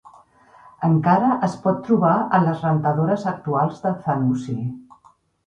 Encara es pot trobar a les rentadores actuals de Zanussi.